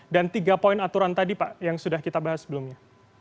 dan tiga poin aturan tadi pak yang sudah kita bahas sebelumnya